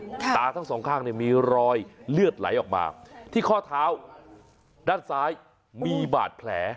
ตาทั้งสองข้างเนี่ยมีรอยเลือดไหลออกมาที่ข้อเท้าด้านซ้ายมีบาดแผล